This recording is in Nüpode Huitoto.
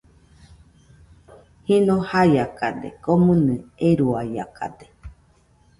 Jɨno baiakade, komɨnɨ eruaiakade.